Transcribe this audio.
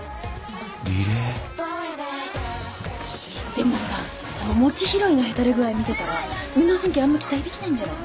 でもさ餅拾いのへたれ具合見てたら運動神経あんま期待できないんじゃない？